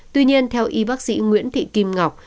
tuy nhiên theo y bác sĩ nguyễn thị kim ngọc